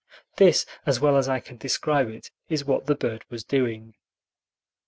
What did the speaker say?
This, as well as I can describe it, is what the bird was doing.